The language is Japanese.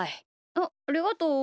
あっありがとう。